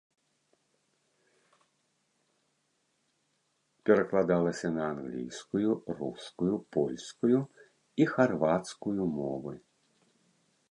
Перакладалася на англійскую, рускую, польскую і харвацкую мовы.